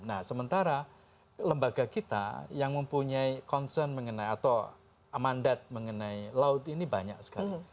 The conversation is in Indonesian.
nah sementara lembaga kita yang mempunyai concern mengenai atau mandat mengenai laut ini banyak sekali